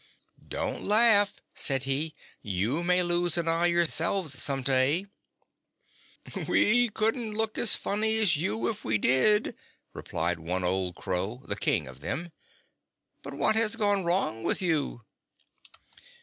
"Don't laugh," said he; "you may lose an eye yourselves some day." "We couldn't look as funny as you, if we did," replied one old crow, the king of them. "But what has gone wrong with you?"